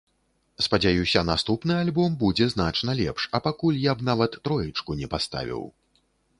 Спадзяюся, наступны альбом будзе значна лепш, а пакуль я б нават троечку не паставіў.